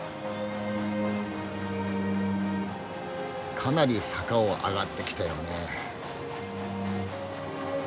かなり坂を上がってきたよね。